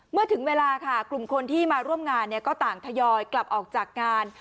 เมื่อถึงเวลาค่ะกลุ่มคนที่มาร่วมงานก็ต่างทยอยกลับออกจากงาน